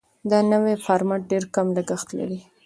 دا نوی فارمټ ډېر کم لګښت لري.